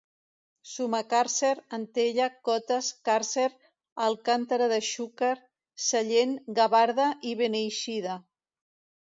Sumacàrcer, Antella, Cotes, Càrcer, Alcàntera de Xúquer, Sellent, Gavarda i Beneixida.